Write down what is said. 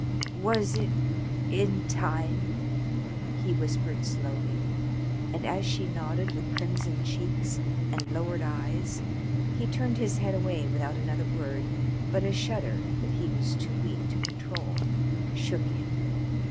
"Was it in time?" he whispered slowly, and as she nodded with crimson cheeks and lowered eyes he turned his head away without another word, but a shudder that he was too weak to control shook him.